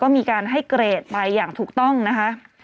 มีการให้เกรดไปอย่างถูกต้องนะคะ